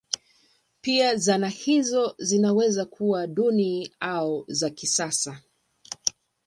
Pia zana hizo zinaweza kuwa duni au za kisasa.